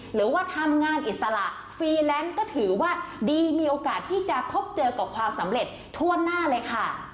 หรือว่าทำงานอิสระฟรีแลนซ์ก็ถือว่าดีมีโอกาสที่จะพบเจอกับความสำเร็จทั่วหน้าเลยค่ะ